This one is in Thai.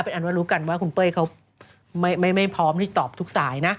เป็นอันว่ารู้กันว่าคุณเป้ยเขาไม่พร้อมที่ตอบทุกสายนะ